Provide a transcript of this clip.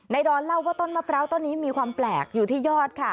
ดอนเล่าว่าต้นมะพร้าวต้นนี้มีความแปลกอยู่ที่ยอดค่ะ